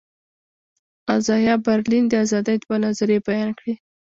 ازایا برلین د آزادي دوه نظریې بیان کړې.